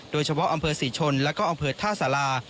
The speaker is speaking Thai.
โดยเฉพาะอำเภอศรีชนแล้วก็อำเภอท่าสารา